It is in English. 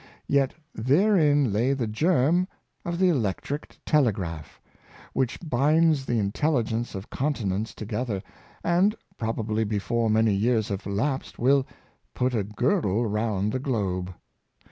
Yet therein lay the germ of the Electric Telegraph, which binds the intelligence of continents together, and, probably before many years have elapsed will " put a girdle round the globe."